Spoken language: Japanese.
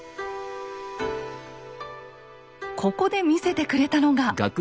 ここで見せてくれたのが。